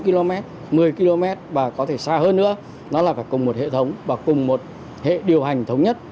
km một mươi km và có thể xa hơn nữa nó là phải cùng một hệ thống và cùng một hệ điều hành thống nhất